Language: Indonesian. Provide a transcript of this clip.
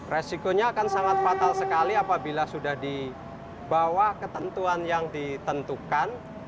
resikonya akan sangat fatal sekali apabila sudah di bawah ketentuan yang ditentukan